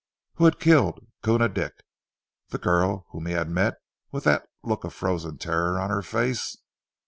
Who had killed Koona Dick? The girl whom he had met with that look of frozen terror on her face?